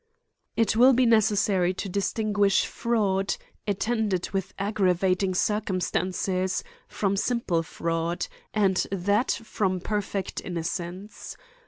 It will be necessary to distinguish fraud, attend ed with aggravating circumstances, from simple fraud, and that from perfect innocence.